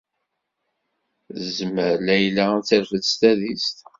Tezmer Layla ad terfed s tadist.